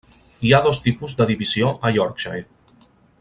Hi ha dos tipus de divisió a Yorkshire.